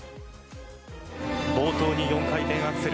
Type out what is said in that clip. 冒頭に４回転アクセル。